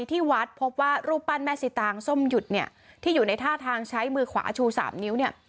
ที่วัดพบว่ารูปปั้นแม่สิตางส้มหยุดเนี่ยที่อยู่ในท่าทางใช้มือขวาชูสามนิ้วเนี่ย